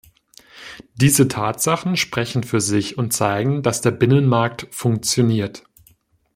Diese Tatsachen sprechen für sich und zeigen, dass der Binnenmarkt funktioniert.